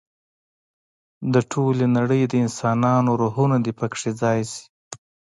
د ټولې نړۍ د انسانانو روحونه دې په کې ځای شي.